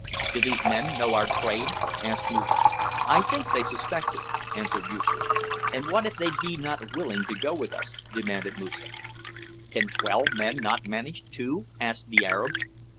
"Do these men know our trade?" asked Moosa. "I think they suspect it," answered Yoosoof. "And what if they be not willing to go with us?" demanded Moosa. "Can twelve men not manage two?" asked the Arab.